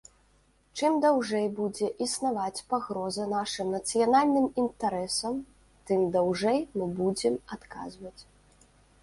Чым даўжэй будзе існаваць пагроза нашым нацыянальным інтарэсам, тым даўжэй мы будзем адказваць.